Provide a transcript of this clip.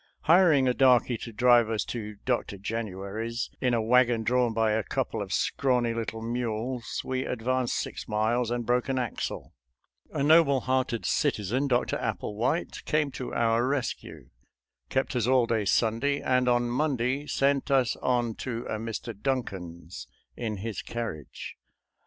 Hir ing a darky to drive us to Dr. January's in a wagon drawn by a couple of scrawny little mules, we advanced six miles and broke an axle. A noble hearted citizen, Dr. Applewhite, came ADVENTURES EN ROUTE TO TEXAS 285 to our rescue, kept us all day Sunday, and on Monday sent us on to a Mr. Duncan's in his carriage.